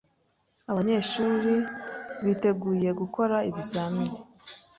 Abanyeshuri biteguye gukora ikizamini.